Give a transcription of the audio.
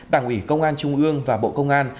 đảng ủy công an trung ương và bộ công an